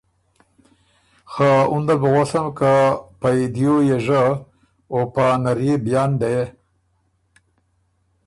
خه اُن دل بُو غؤسم که پئ دیو يېژه او په پا نرئے بیان دې